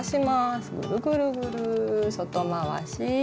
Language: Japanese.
ぐるぐるぐる外回し。